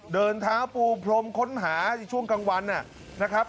เดินเท้าปูพรมค้นหาในช่วงกลางวันนะครับ